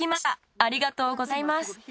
ありがとうございます。